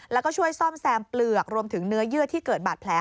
แล้วก็ช่วยซ่อมแซมเปลือกรวมถึงเนื้อเยื่อที่เกิดบาดแผล